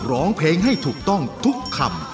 ร้องเพลงให้ถูกต้องทุกคำ